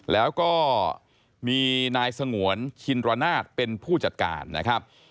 แล้วก็มีนายสงวนชินรนาศเป็นผู้จัดการนะครับ